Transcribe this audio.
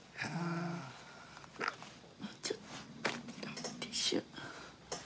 「ちょっとティッシュ。